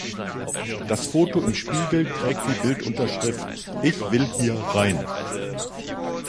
Das Foto im Spiegel trägt die Bildunterschrift „Ich will hier rein“.